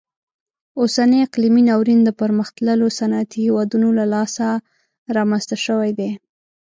اوسنی اقلیمي ناورین د پرمختللو صنعتي هیوادونو له لاسه رامنځته شوی دی.